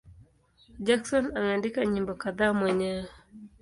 Jackson ameandika nyimbo kadhaa mwenyewe.